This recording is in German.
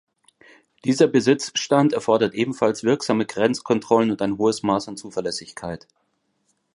Dieser Besitzstand erfordert ebenfalls wirksame Grenzkontrollen und ein hohes Maß an Zuverlässigkeit.